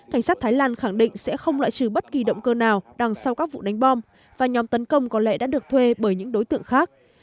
cảnh sát thái lan khẳng định sẽ không loại trừ bất kỳ động cơ nào đằng sau các vụ đánh bom và nhóm tấn công có lẽ đã được thuê bởi những đối tượng khác